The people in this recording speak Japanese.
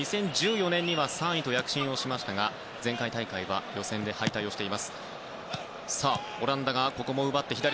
２０１４年には３位と躍進をしましたが、前回大会は予選で敗退しています。